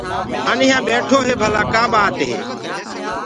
آن يهآ بيٺو هي ڀلآ ڪآ ٻآت هي۔